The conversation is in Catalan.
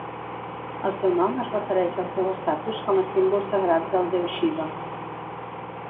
El seu nom es refereix al seu estatus com a símbol sagrat del déu Xiva.